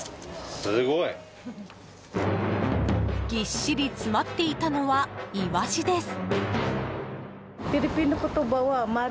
ぎっしり詰まっていたのはイワシです。